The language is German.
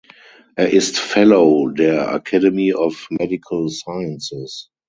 Er ist Fellow der Academy of Medical Sciences.